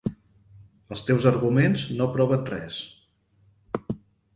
Els teus arguments no proven res.